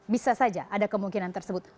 bisa saja ada kemungkinan tersebut